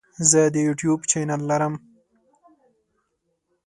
زه د یوټیوب چینل لرم.